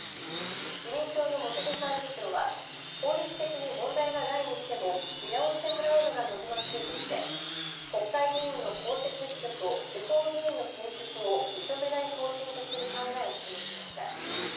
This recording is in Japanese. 自民党の茂木幹事長は法律的に問題がないにしても見直してもらうのが望ましいとして国会議員の公設秘書と地方議員の兼職を認めない方針とする考えを示しました。